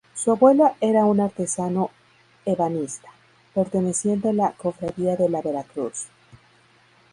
Su abuelo era un artesano ebanista, perteneciente a la cofradía de la Veracruz.